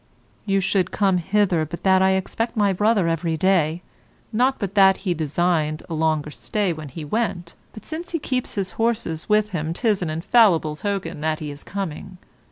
You should come hither but that I expect my brother every day; not but that he designed a longer stay when he went, but since he keeps his horses with him 'tis an infallible token that he is coming.